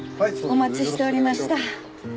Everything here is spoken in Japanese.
お待ちしておりました。